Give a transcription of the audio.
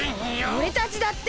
おれたちだって！